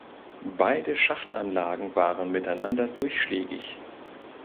Beide Schachtanlagen waren miteinander durchschlägig.